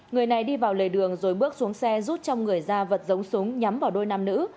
người này đi vào lề đường rồi bước xuống xe rút trong người ra vật giống súng nhắm vào đôi nam nữ